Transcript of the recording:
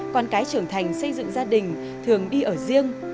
con cái trưởng thành xây dựng gia đình thường đi ở riêng